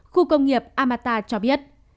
khu công nghiệp amata cho biết